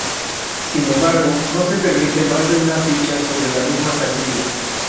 Sin embargo no se permite más de una ficha sobre la misma casilla.